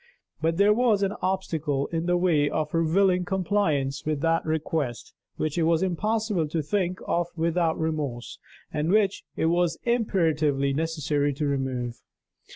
But there was an obstacle in the way of her willing compliance with that request, which it was impossible to think of without remorse, and which it was imperatively necessary to remove.